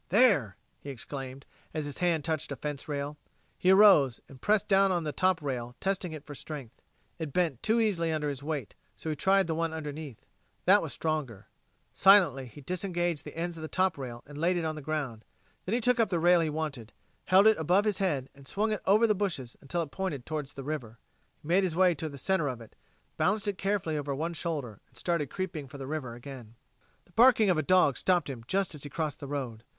"There!" he exclaimed, as his hand touched a rail fence. He arose and pressed down on the top rail, testing it for strength. It bent too easily under his weight, so he tried the one underneath. That was stronger. Silently he disengaged the ends of the top rail and laid it on the ground; then he took up the rail he wanted, held it above his head and swung it over the bushes until it pointed towards the river. He made his way to the center of it, balanced it carefully over one shoulder and started creeping for the river again. The barking of a dog stopped him just as he crossed the road.